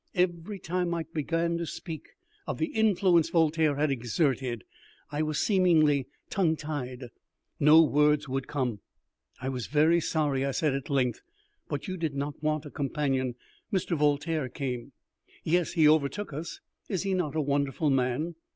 Every time I began to speak of the influence Voltaire had exerted I was seemingly tongue tied. No words would come. "I was very sorry," I said at length, "but you did not want a companion. Mr. Voltaire came." "Yes, he overtook us. Is he not a wonderful man?"